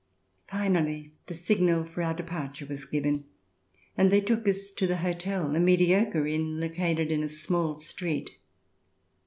Finally the signal for our departure was given and they took us to the hotel, a mediocre inn located in a small street.